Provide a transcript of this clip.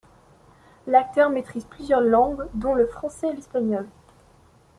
L'acteur maîtrise plusieurs langues, dont le français et l'espagnol.